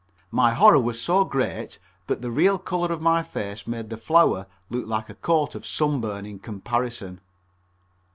My horror was so great that the real color of my face made the flour look like a coat of sunburn in comparison.